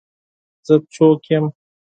زه څوک یم؟